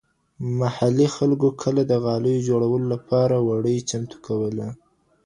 محلي خلګو کله د غالیو جوړولو لپاره وړۍ چمتو کولي؟